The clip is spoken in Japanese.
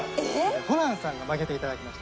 ホランさんが曲げていただきました。